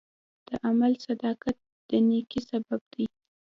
د عمل صداقت د نیکۍ سبب دی.